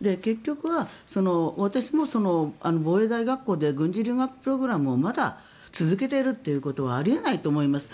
結局は私も防衛大学校で軍事留学プロジェクトをまだ続けているということはあり得ないと思います。